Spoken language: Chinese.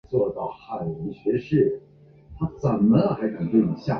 枢纽机场是航空公司用来中转旅客至下一个目的地的中停点。